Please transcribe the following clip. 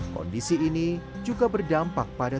terus berubah menjadi seorang guru